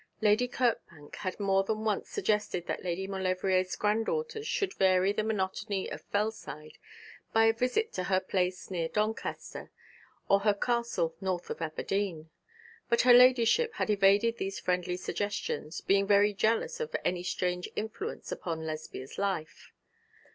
Lady Kirkbank had more than once suggested that Lady Maulevrier's granddaughters should vary the monotony of Fellside by a visit to her place near Doncaster, or her castle north of Aberdeen; but her ladyship had evaded these friendly suggestions, being very jealous of any strange influence upon Lesbia's life.